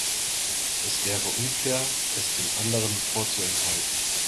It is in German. Es wäre unfair, es den anderen vorzuenthalten.